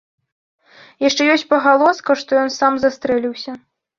Яшчэ ёсць пагалоска, што ён сам застрэліўся.